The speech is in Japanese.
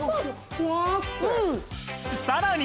さらに